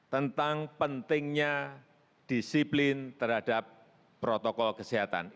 tentang pentingnya disiplin terhadap protokol kesehatan